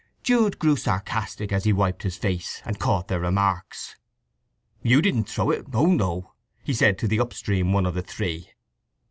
Jude grew sarcastic as he wiped his face, and caught their remarks. "You didn't do it—oh no!" he said to the up stream one of the three.